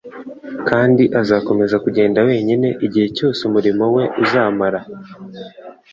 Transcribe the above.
kandi azakomeza kugenda wenyine; igihe cyose umurimo we uzamara.